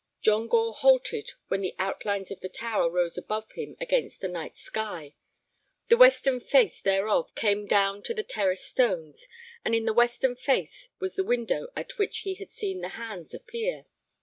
John Gore halted when the outlines of the tower rose above him against the night sky. The western face thereof came down to the terrace stones, and in the western face was the window at which he had seen the hands appear.